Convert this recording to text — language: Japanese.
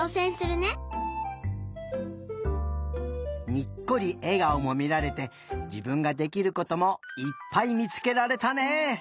にっこりえがおもみられてじぶんができることもいっぱいみつけられたね。